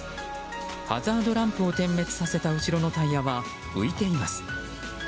ハザードランプを点滅させた後ろのタイヤは浮いています。